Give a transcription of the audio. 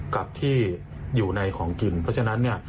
กับที่อยู่ในของกินเพราะฉะนั้นเนี่ย